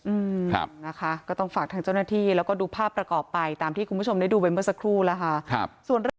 อืมครับนะคะก็ต้องฝากทางเจ้าหน้าที่แล้วก็ดูภาพประกอบไปตามที่คุณผู้ชมได้ดูไปเมื่อสักครู่แล้วค่ะครับส่วนเรื่อง